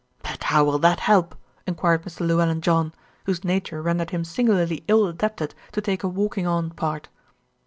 "But how will that help?" enquired Mr. Llewellyn John, whose nature rendered him singularly ill adapted to a walking on part.